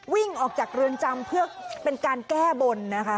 วิ่งออกจากเรือนจำเพื่อเป็นการแก้บนนะคะ